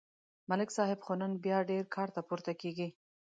ملک صاحب خو نن بیا ډېر کار ته پورته کېږي